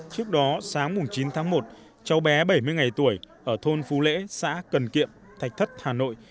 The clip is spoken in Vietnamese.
trước đó sáng chín tháng một cháu bé bảy mươi ngày tuổi ở thôn phú lễ xã cần kiệm thạch thất hà nội